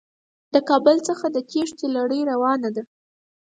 د کابل څخه د تېښتې لړۍ روانه ده.